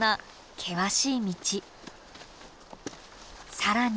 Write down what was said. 更に。